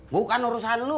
bukan urusan lu